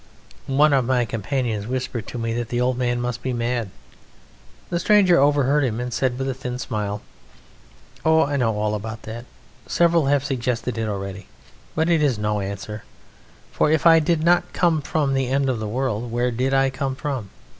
One of my companions whispered to me that the old man must be mad. The stranger overheard him, and said with a thin smile: "Oh, I know all about that; several have suggested it already; but it is no answer, for if I did not come from the End of the World, where did I come from?